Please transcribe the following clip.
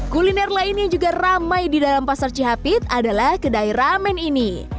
kuliner lain yang juga ramai di dalam pasar cihapit adalah kedai ramen ini